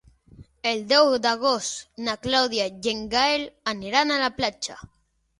El deu d'agost na Clàudia i en Gaël aniran a la platja.